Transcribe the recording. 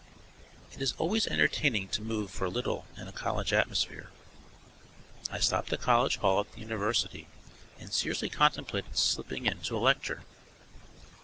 It is always entertaining to move for a little in a college atmosphere. I stopped at College Hall at the University and seriously contemplated slipping in to a lecture.